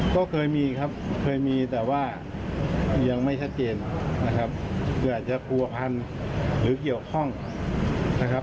ก็เคยมีครับเคยมีแต่ว่ายังไม่ชัดเจนนะครับเกิดอาจจะผัวพันหรือเกี่ยวข้องนะครับ